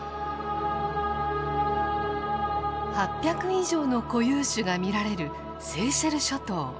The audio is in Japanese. ８００以上の固有種が見られるセーシェル諸島。